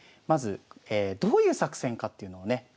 まずどういう作戦かっていうのをね